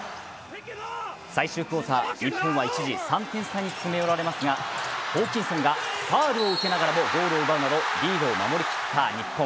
最終クオーター日本は一時３点差に詰め寄られますがホーキンソンがファウルを受けながらもゴールを奪うなどリードを守りきった日本。